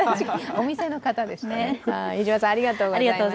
お店の方でしたね。